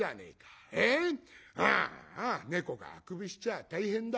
ああ猫があくびしちゃあ大変だ。